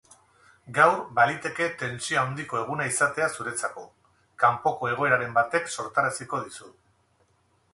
Gaur baliteke tentsio handiko eguna iaatea zuretzako, kapoko egoeraren batek sortaraziko dizu.